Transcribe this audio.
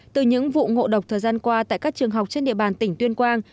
từ những vụ ngộ độc thời gian qua tại các trường học trên địa bàn tỉnh tuyên quang